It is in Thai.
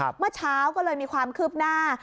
เมื่อเช้าก็เลยมีความคืบหน้า